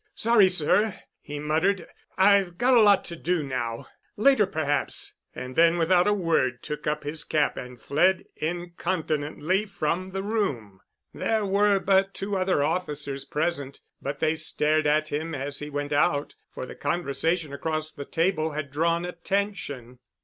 "Sorry, sir," he muttered, "I've got a lot to do now. Later perhaps," and then without a word took up his cap and fled incontinently from the room. There were but two other officers present, but they stared at him as he went out, for the conversation across the table had drawn attention.